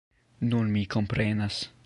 Nun mi komprenas!